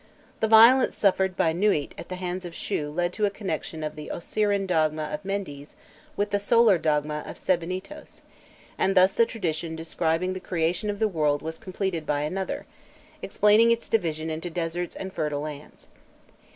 The violence suffered by Nûît at the hands of Shû led to a connexion of the Osirian dogma of Mendes with the solar dogma of Sebennytos, and thus the tradition describing the creation of the world was completed by another, explaining its division into deserts and fertile lands.